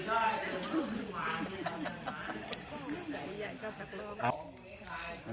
เอ้า